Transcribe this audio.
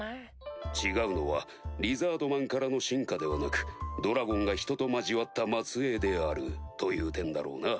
違うのはリザードマンからの進化ではなくドラゴンが人と交わった末裔であるという点だろうな。